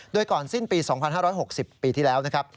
โดยก่อนสิ้นปี๒๕๖๐ปีที่แล้วนะครับ